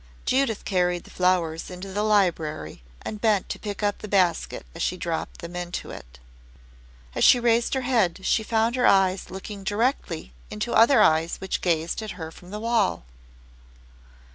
Judith carried the flowers into the library and bent to pick up the basket as she dropped them into it. As she raised her head she found her eyes looking directly into other eyes which gazed at her from the wall.